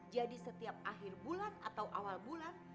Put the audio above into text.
jadi setiap akhir bulan atau awal bulan